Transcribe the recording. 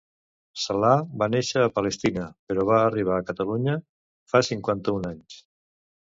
Salah va néixer a Palestina, però va arribar a Catalunya fa cinquanta-un anys.